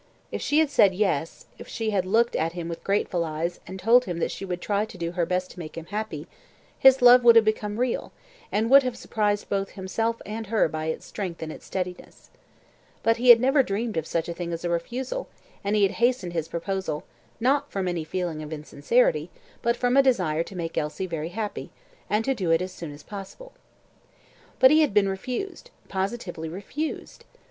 If she had said yes if she had looked at him with grateful eyes, and told him that she would try to do her best to make him happy, his love would have become real, and would have surprised both himself and her by its strength and its steadiness. But he had never dreamed of such a thing as a refusal, and he had hastened his proposal, not from any feeling of insecurity, but from a desire to make Elsie very happy, and to do it as soon as possible. But he had been refused positively refused.